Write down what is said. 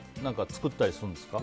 作ったりするんですか。